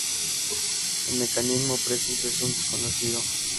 El mecanismo preciso es aún desconocido.